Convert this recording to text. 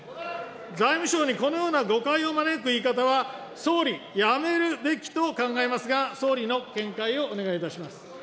財務省にこのような誤解を招く言い方は、総理、やめるべきと考えますが、総理の見解をお願いいたします。